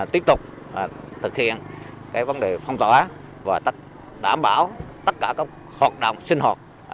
tiếp tục thực hiện vấn đề phong tỏa và đảm bảo tất cả các hoạt động sinh hoạt